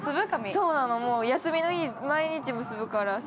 ◆そうなの休みの日、毎日結ぶからさ。